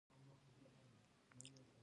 ایا موبایل ورته زیان نه رسوي؟